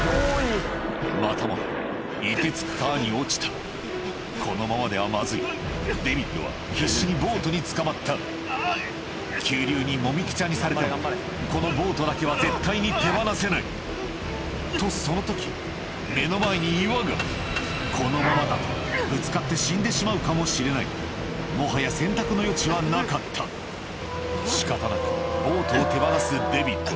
またもいてつく川に落ちたこのままではまずいデビッドは必死にボートにつかまった急流にもみくちゃにされてもこのボートだけは絶対に手放せないとその時目の前に岩がこのままだとぶつかって死んでしまうかもしれないもはや選択の余地はなかった仕方なくボートを手放すデビッド